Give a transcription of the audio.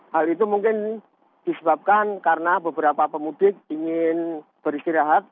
hal itu mungkin disebabkan karena beberapa pemudik ingin beristirahat